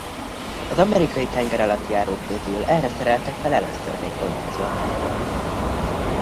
Az amerikai tengeralattjárók közül erre szereltek fel először légkondicionálót.